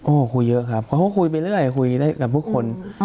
โอ้โหคุยเยอะครับเพราะเขาคุยไปเรื่อยคุยได้กับทุกคน